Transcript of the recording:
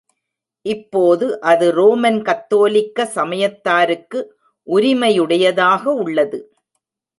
இப்போது அது ரோமன் கத்தோலிக்க சமயத்தாருக்கு உரிமையுடையதாக உள்ளது.